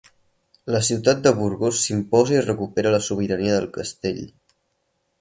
La ciutat de Burgos s'imposa i recupera la sobirania del Castell.